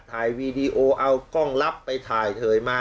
วีดีโอเอากล้องลับไปถ่ายเถยมา